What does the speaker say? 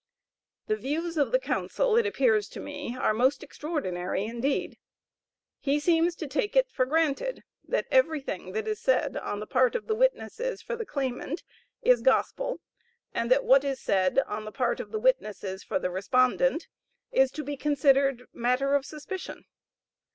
The views of the counsel it appears to me, are most extraordinary indeed. He seems to take it for granted that everything that is said on the part of the witnesses for the claimant is gospel, and that what is said on the part of the witnesses for the respondent, is to be considered matter of suspicion.